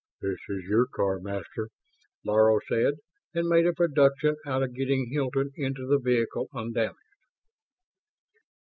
"This is your car, Master," Laro said, and made a production out of getting Hilton into the vehicle undamaged.